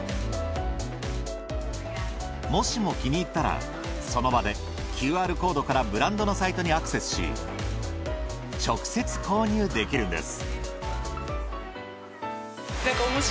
もしも気に入ったらその場でＱＲコードからブランドのサイトにアクセスし直接購入できるんです。